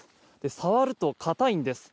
触ると硬いんです。